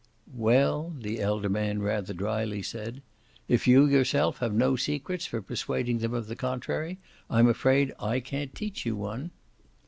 "Well," the elder man rather dryly said, "if you yourself have no secrets for persuading them of the contrary I'm afraid I can't teach you one."